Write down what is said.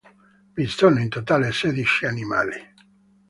Vi sono in totale sedici animali.